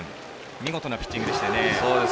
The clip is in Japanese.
見事なピッチングでしたよね。